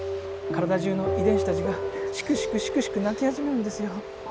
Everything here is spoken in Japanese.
体じゅうの遺伝子たちがシクシクシクシク泣き始めるんですよ。